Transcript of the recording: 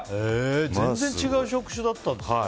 全然、違う職種だったんですね。